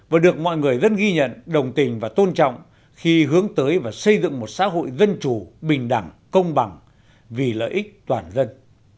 và được mọi người dân ghi nhận đồng tình và tôn trọng khi hướng tới và xây dựng một xã hội dân chủ bình đẳng công bằng vì lợi ích toàn dân